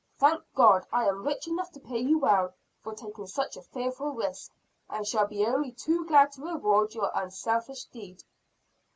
Thank God, I am rich enough to pay you well for taking such a fearful risk and shall be only too glad to reward your unselfish deed."